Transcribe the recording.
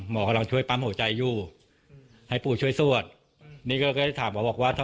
หมอกำลังช่วยปั๊มหัวใจอยู่ให้ปู่ช่วยสวดนี่ก็ได้ถามเขาบอกว่าถ้า